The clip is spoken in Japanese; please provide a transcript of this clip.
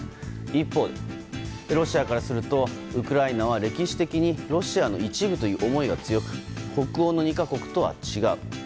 一方ロシアからするとウクライナは歴史的にロシアの一部という思いが強く北欧の２か国とは違う。